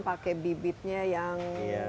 pakai bibitnya yang